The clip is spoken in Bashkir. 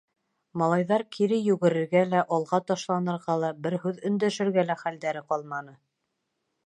Малайҙар кире йүгерергә лә, алға ташланырға ла, бер һүҙ өндәшергә лә хәлдәре ҡалманы.